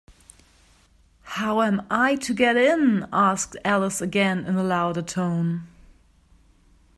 ‘How am I to get in?’ asked Alice again, in a louder tone.